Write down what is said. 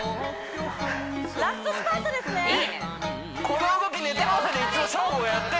ラストスパートですねいいね